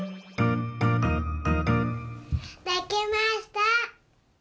できました！